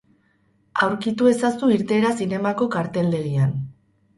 Aurkitu ezazu irteera zinemako karteldegian.